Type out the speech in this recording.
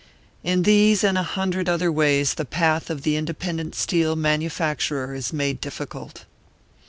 In these and a hundred other ways, the path of the independent steel manufacturer is made difficult.